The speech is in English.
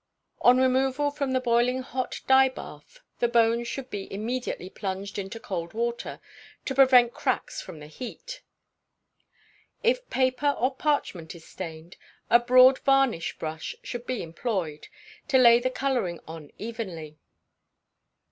On removal from the boiling hot dye bath, the bone should be immediately plunged into cold water, to prevent cracks from the heat. If paper or parchment is stained, a broad varnish brush should be employed, to lay the colouring on evenly.